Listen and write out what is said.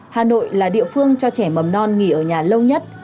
hà nội là địa phương cho trẻ mầm non nghỉ ở nhà lâu nhất